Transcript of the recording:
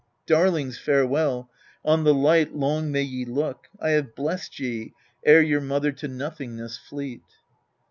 Darlings, farewell : on the lig*ht Long may ye look : I have blessed ye Ere your mother to nothingness fleet.